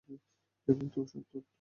এই মত অসত্য নয়, কিন্তু অসম্পূর্ণ।